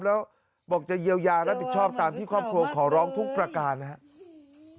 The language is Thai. แล้วบอกจะเยียวยารับผิดชอบตามที่ครอบครัวขอร้องทุกประการนะครับ